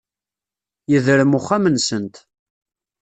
Yedrem uxxam-nsent.